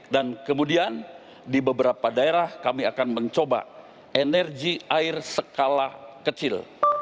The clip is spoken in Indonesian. dan kemudian di beberapa daerah kami akan mencoba energi air sekala kecil